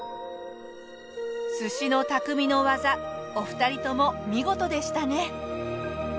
寿司の匠の技お二人とも見事でしたね。